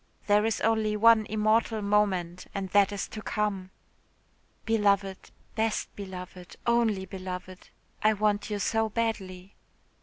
There is only one immortal moment and that is to come. "Beloved, best beloved, only beloved, I want you so badly.